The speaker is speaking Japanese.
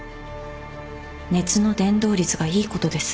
熱の伝導率がいいことです。